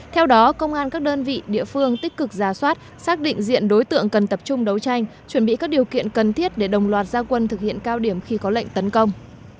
theo đó công an các đơn vị địa phương tích cực ra soát xác định diện đối tượng cần tập trung đấu tranh chuẩn bị các điều kiện cần thiết để đồng loạt gia quân thực hiện cao điểm khi có lệnh tấn công